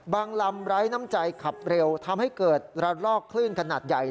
ลำไร้น้ำใจขับเร็วทำให้เกิดระลอกคลื่นขนาดใหญ่